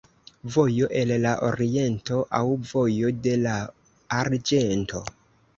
Vojo el la Oriento aŭ vojo de la arĝento.